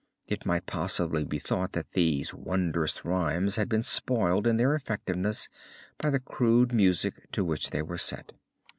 It might possibly be thought that these wondrous rhymes had been spoiled in their effectiveness by the crude music to which they were set.